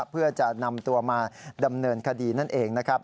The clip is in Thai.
เพื่อจะนำตัวมาดำเนินคดีนั่นเองนะครับ